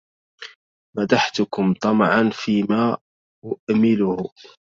مدحتكم طمعا فيما أؤمله